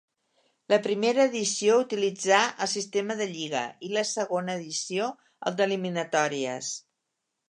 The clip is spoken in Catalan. La primera edició utilitzà el sistema de lliga i la segona edició el d'eliminatòries.